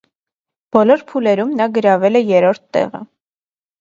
Բոլոր փուլերում նա գրավել է երրորդ տեղը։